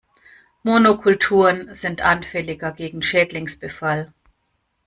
Monokulturen sind anfälliger gegen Schädlingsbefall.